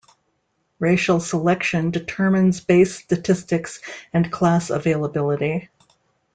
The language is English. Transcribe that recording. Racial selection determines base statistics and class availability.